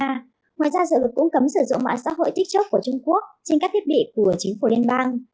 ngoài ra dự luật cũng cấm sử dụng mạng xã hội tiktok của trung quốc trên các thiết bị của chính phủ liên bang